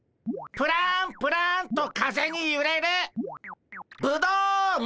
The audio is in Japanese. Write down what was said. プランプランと風にゆれるブドウン。